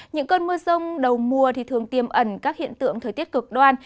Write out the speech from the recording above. những cơn mưa rông đầu mùa thường tiêm ẩn các hiện tượng thời tiết cực đoan